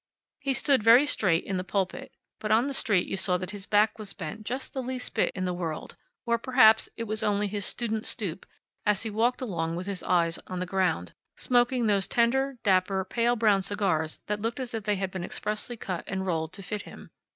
He stood very straight in the pulpit, but on the street you saw that his back was bent just the least bit in the world or perhaps it was only his student stoop, as he walked along with his eyes on the ground, smoking those slender, dapper, pale brown cigars that looked as if they had been expressly cut and rolled to fit him.